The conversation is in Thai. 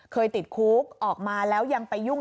ติดคุกออกมาแล้วยังไปยุ่ง